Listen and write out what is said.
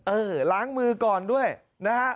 เออล้างมือก่อนด้วยนะฮะ